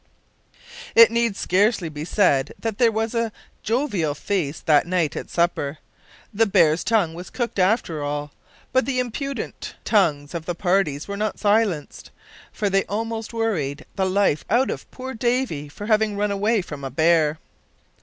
It need scarcely be said that there was a jovial feast that night at supper. The bear's tongue was cooked after all, but the impudent tongues of the party were not silenced, for they almost worried the life out of poor Davy for having run away from a bear.